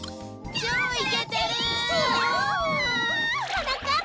はなかっ